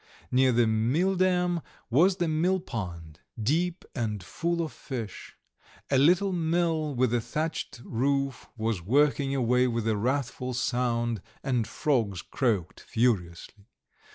Near the milldam was the millpond, deep and full of fish; a little mill with a thatched roof was working away with a wrathful sound, and frogs croaked furiously.